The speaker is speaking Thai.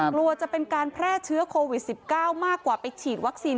กลัวจะเป็นการแพร่เชื้อโควิด๑๙มากกว่าไปฉีดวัคซีน